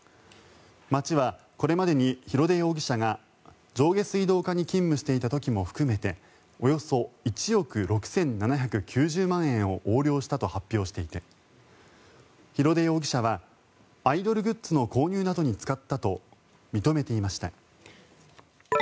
町はこれまでに、廣出容疑者が上下水道課に勤務していた時も含めておよそ１億６７９０万円を横領したと発表していて廣出容疑者はアイドルグッズの購入などに使ったと認めていました。